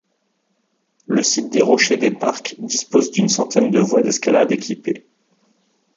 Le site des rochers des Parcs dispose d'une centaine de voies d'escalade équipées.